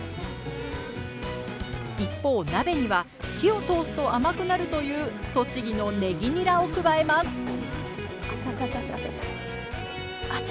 一方鍋には火を通すと甘くなるという栃木のねぎにらを加えますあつあつ。